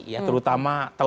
ya terutama telor